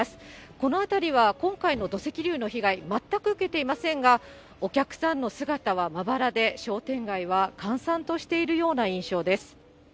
この辺りは今回の土石流の被害、全く受けていませんが、お客さんの姿はまばらで、商店街は閑散としているような印象です。